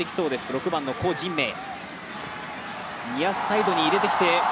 ６番のコ・ジンメイ。